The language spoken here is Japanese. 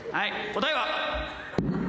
答えは。